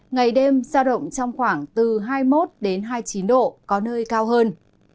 ngày đêm ra động trong khoảng hai mươi một hai mươi chín độ có nơi cao hơn